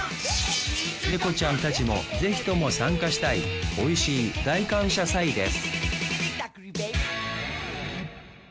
猫ちゃんたちもぜひとも参加したいおいしい大感謝祭です